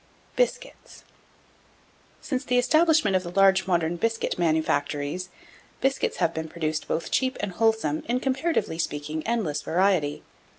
BISCUITS. 1712. Since the establishment of the large modern biscuit manufactories, biscuits have been produced both cheap and wholesome, in, comparatively speaking, endless variety.